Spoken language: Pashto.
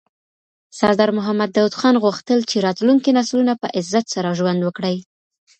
سردار محمد داود خان غوښتل چي راتلونکي نسلونه په عزت سره ژوند وکړي.